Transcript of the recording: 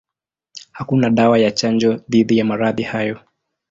Hakuna dawa ya chanjo dhidi ya maradhi hayo.